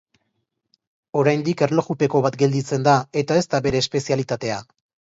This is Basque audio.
Oraindik erlojupeko bat gelditzen da, eta ez da bere espezialitatea.